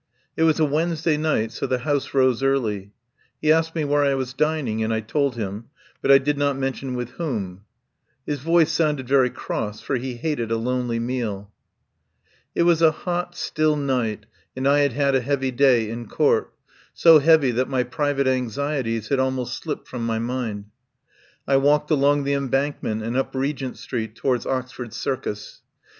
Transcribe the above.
It was a Wednesday night, so the House rose early. He asked me where I was dining, 135 THE POWER HOUSE and I told him, but I did not mention with whom. His voice sounded very cross, for he hated a lonely meal. It was a hot, still night, and I had had a heavy day in Court, so heavy that my private anxieties had almost slipped from my mind. I walked along the Embankment, and up Re gent Street towards Oxford Circus.